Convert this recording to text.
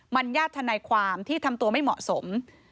มันญาติทนายความที่ทำตัวไม่เหมาะสม